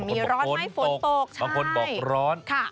มีร้อนไหมฝนตกบางคนบอกร้อนค่ะ